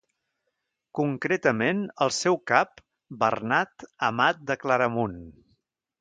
Concretament el seu cap Bernat Amat de Claramunt.